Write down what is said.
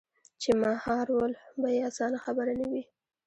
چـې مـهار ول بـه يـې اسـانه خبـره نـه وي.